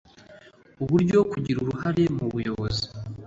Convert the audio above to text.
uburyo kugira uruhare mu buyobozi